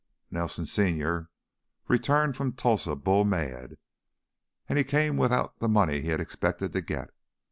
Nelson, senior, returned from Tulsa bull mad, and he came without the money he had expected to get.